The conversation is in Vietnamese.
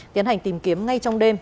tiến hành tìm kiếm ngay trong đêm